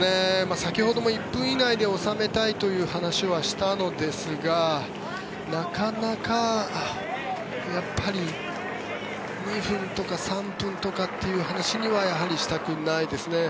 先ほども１分以内で収めたいという話はしたのですがなかなか２分とか３分とかって話にはやはりしたくないですね。